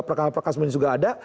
pekan pekan sm juga ada